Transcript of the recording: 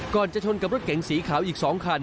จะชนกับรถเก๋งสีขาวอีก๒คัน